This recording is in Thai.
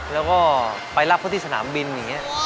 แล้วก็ไปรับเขาที่สนามบินอย่างนี้